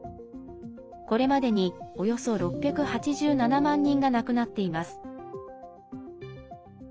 これまでに、およそ６８７万人が亡くなっています。